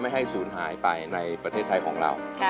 ให้ศูนย์หายไปในประเทศไทยของเรา